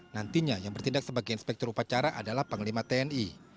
nantinya yang bertindak sebagai inspektur upacara adalah panglima tni